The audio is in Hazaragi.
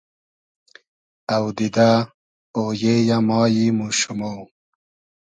اودیدۂ ، اۉیې یۂ ، مایم و شومۉ